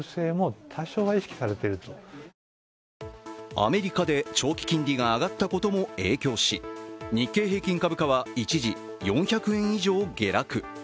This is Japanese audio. アメリカで長期金利が上がったことも影響し、日経平均株価は一時４００円以上下落。